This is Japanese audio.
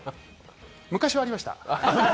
昔はありました。